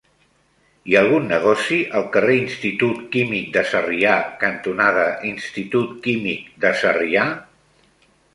Hi ha algun negoci al carrer Institut Químic de Sarrià cantonada Institut Químic de Sarrià?